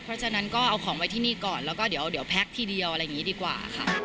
เพราะฉะนั้นก็เอาของไว้ที่นี่ก่อนแล้วก็เดี๋ยวแพ็คทีเดียวอะไรอย่างนี้ดีกว่าค่ะ